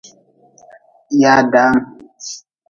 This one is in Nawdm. Yadaam.